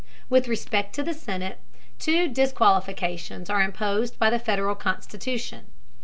With respect to the Senate, two disqualifications are imposed by the Federal Constitution.